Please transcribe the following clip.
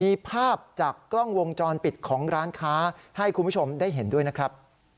มีภาพจากกล้องวงจรปิดของร้านค้าให้คุณผู้ชมได้เห็นด้วยนะครับ